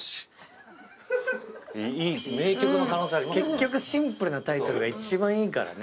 結局シンプルなタイトルが一番いいからね。